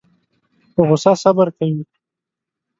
په غوسه صبر کوي.